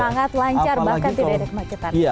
sangat lancar bahkan tidak ada kemacetan